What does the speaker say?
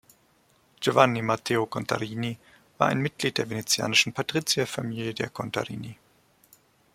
Giovanni Matteo Contarini war ein Mitglied der venezianischen Patrizierfamilie der Contarini.